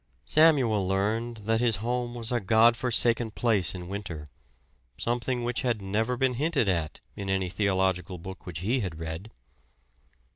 Samuel learned that his home was a God forsaken place in winter something which had never been hinted at in any theological book which he had read.